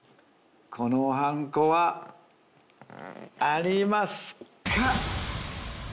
このはんこはありますか？